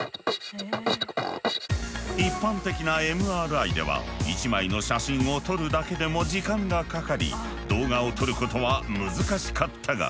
一般的なＭＲＩでは１枚の写真を撮るだけでも時間がかかり動画を撮ることは難しかったが。